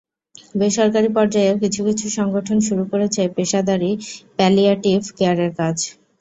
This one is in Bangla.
বেসরকারি পর্যায়েও কিছু কিছু সংগঠন শুরু করেছে পেশাদারি প্যালিয়াটিভ কেয়ারের কাজ।